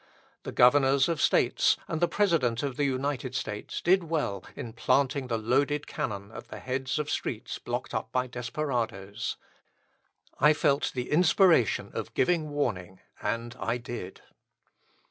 The governors of States and the President of the United States did well in planting the loaded cannon at the head of streets blocked up by desperadoes. I felt the inspiration of giving warning, and I did.